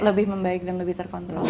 lebih membaik dan lebih terkontrol